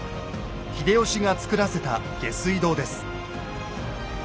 秀吉が造らせた下水道です。